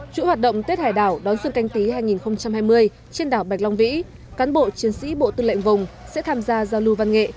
chủ hoạt động tết hải đảo đón xuân canh tí hai nghìn hai mươi trên đảo bạch long vĩ cán bộ chiến sĩ bộ tư lệnh vùng sẽ tham gia giao lưu văn nghệ